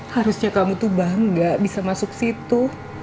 harusnya kamu tuh bangga bisa masuk situ